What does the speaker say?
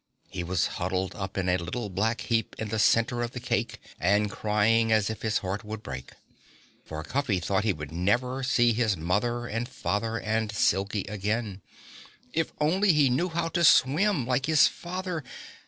He was huddled up in a little black heap in the center of the cake, and crying as if his heart would break. For Cuffy thought he would never see his mother and father and Silkie again. If only he knew how to swim, like his father!